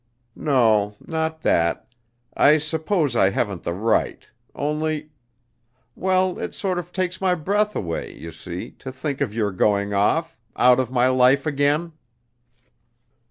"No not that. I suppose I haven't the right, only well, it sort of takes my breath away, you see, to think of your going off out of my life again."